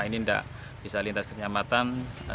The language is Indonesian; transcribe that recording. ini tidak bisa lintas ke senyambatan